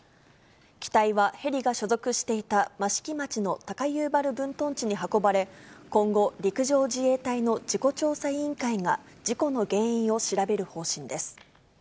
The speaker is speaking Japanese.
機体はヘリが所属していた益城町の高遊原分屯地に運ばれ、今後、陸上自衛隊の事故調査委員会が事故の原因を調べる方針です。